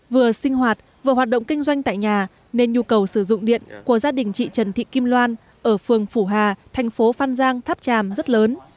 vừa sinh hoạt vừa hoạt động kinh doanh tại nhà nên nhu cầu sử dụng điện của gia đình chị trần thị kim loan ở phường phủ hà thành phố phan giang tháp tràm rất lớn